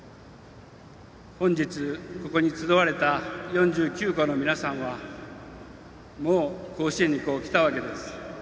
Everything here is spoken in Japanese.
本日ここに集われた４９校の皆さんはもう、この甲子園に来たわけです。